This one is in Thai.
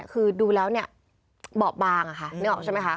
คือดูแล้วเนี่ยบอบบางค่ะนึกออกใช่ไหมคะ